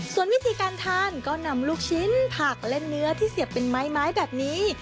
ส่วนวิธีการทานก็นำลูกชิ้นผักและเนื้อที่เสียบเป็นไม้แบบนี้